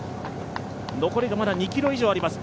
残りがまだ２ｋｍ以上あります